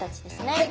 はい。